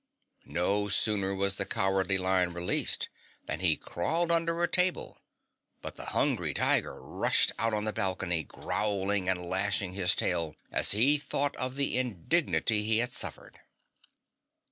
No sooner was the Cowardly Lion released than he crawled under a table, but the Hungry Tiger rushed out on the balcony, growling and lashing his tail, as he thought of the indignity he had suffered.